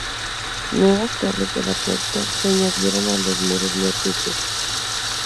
Nuevas torres de la puerta se añadieron a los muros norte y sur.